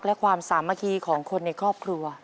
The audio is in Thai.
และความสามัคคีของคนในครอบครัว